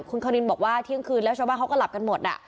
เหมือนควรินบอกว่าเทียงคืนชาวบ้านก็ก็หลับกันหมด